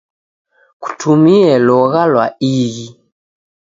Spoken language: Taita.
Kutumie logha lwa ighi.